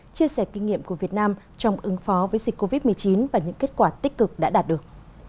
chia sẻ kinh nghiệm của việt nam trong ứng phó với dịch covid một mươi chín và những kết quả tích cực đã đạt được